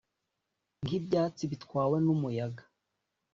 nk’ibyatsi bitwawe n’umuyaga,